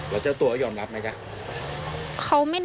แล้วเจ้าตัวยอมรับไหมจ๊ะ